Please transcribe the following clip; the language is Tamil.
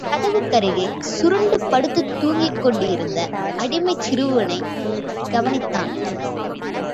கதவுக்கருகே சுருண்டு படுத்துத் தூங்கிக் கொண்டிருந்த அடிமைச் சிறுவனைக் கவனித்தான்.